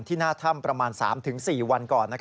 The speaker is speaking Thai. หน้าถ้ำประมาณ๓๔วันก่อน